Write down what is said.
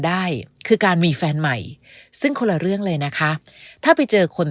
ได้คือการมีแฟนใหม่ซึ่งคนละเรื่องเลยนะคะถ้าไปเจอคน